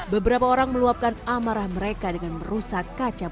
beberapa orang meluapkan amarah mereka dengan merusak kaca